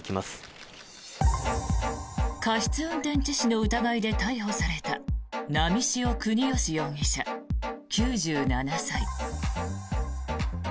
過失運転致死の疑いで逮捕された波汐國芳容疑者、９７歳。